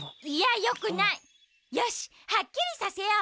よしはっきりさせよう！